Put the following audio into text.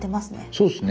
そうっすね。